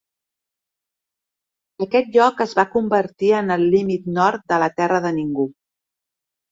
Aquest lloc es va convertir en el límit nord de la terra de ningú.